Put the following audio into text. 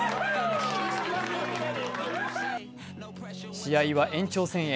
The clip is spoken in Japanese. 試合は延長戦へ。